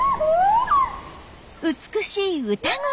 美しい歌声。